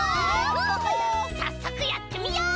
さっそくやってみよう！